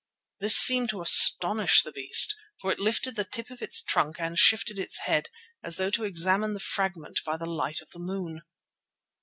This seemed to astonish the beast, for it lifted the tip of its trunk and shifted its head, as though to examine the fragment by the light of the moon.